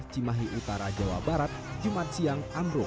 cimahi utara jawa barat jumat siang amruk